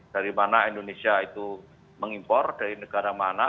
dari mana indonesia itu mengimpor dari negara mana